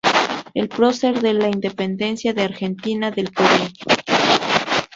Es prócer de la Independencia de Argentina y del Perú.